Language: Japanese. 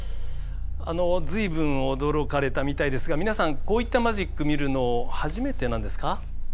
あのずいぶん驚かれたみたいですが皆さんこういったマジック見るの初めてなんですか？